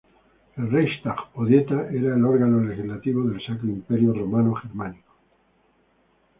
El Reichstag o Dieta era el órgano legislativo del Sacro Imperio Romano Germánico.